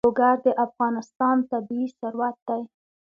لوگر د افغانستان طبعي ثروت دی.